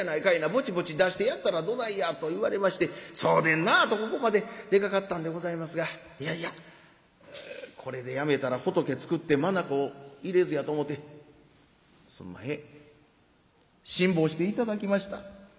ぼちぼち出してやったらどないや』と言われまして『そうでんな』とここまで出かかったんでございますがいやいやこれでやめたら『仏作って眼入れず』やと思てすんまへん辛抱して頂きました」。